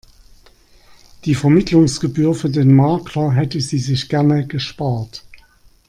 Die Vermittlungsgebühr für den Makler hätte sie sich gerne gespart.